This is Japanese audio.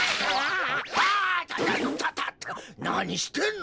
なにしてんの？